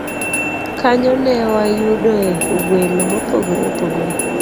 Kanyo ne wayudoe welo mopogore opogore